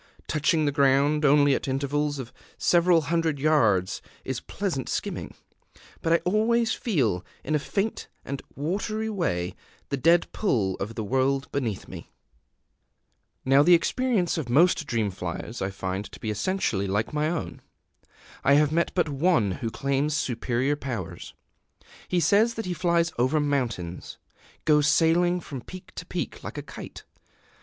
Touching the ground only at intervals of several hundred yards is pleasant skimming; but I always feel, in a faint and watery way, the dead pull of the world beneath me. Now the experience of most dream flyers I find to be essentially like my own. I have met but one who claims superior powers: he says that he flies over mountains goes sailing from peak to peak like a kite.